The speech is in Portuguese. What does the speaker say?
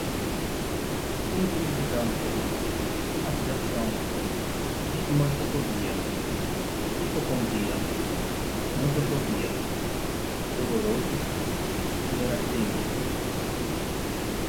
síndrome de ganser, somatização, dismorfofobia, hipocondria, nosofobia, doloroso, neurastenia